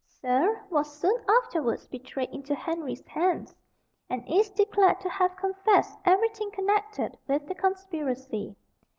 Serle was soon afterwards betrayed into Henry's hands, and is declared to have confessed everything connected with the conspiracy.